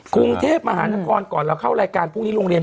กรุงเทพมหานครก่อนเราเข้ารายการพรุ่งนี้โรงเรียน